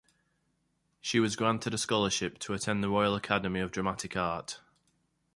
She was granted a scholarship to attend the Royal Academy of Dramatic Art.